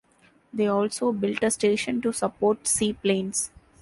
They also built a station to support seaplanes.